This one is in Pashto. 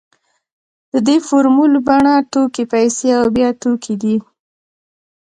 د دې فورمول بڼه توکي پیسې او بیا توکي ده